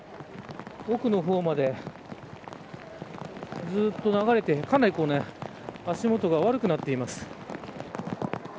奥の方までずっと流れてかなり足元が悪くなっています。